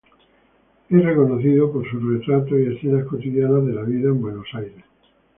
Es reconocido por sus retratos y escenas cotidianas de la vida en Buenos Aires.